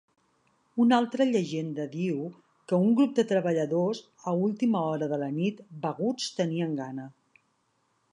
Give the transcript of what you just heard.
Una altra llegenda diu que un grup de treballadors, a última hora de la nit, beguts, tenien gana.